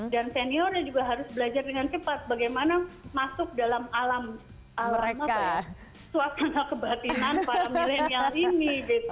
dan seniornya juga harus belajar dengan cepat bagaimana masuk dalam alam suara kebatinan para millennial ini